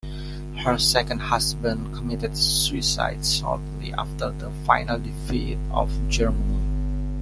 Her second husband committed suicide shortly after the final defeat of Germany.